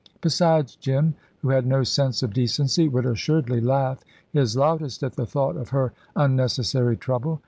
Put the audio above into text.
Besides, Jim, who had no sense of decency, would assuredly laugh his loudest at the thought of her unnecessary trouble.